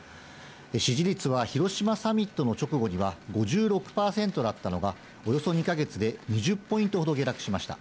支持率は広島サミットの直後には、５６％だったのが、およそ２か月で２０ポイントほど下落しました。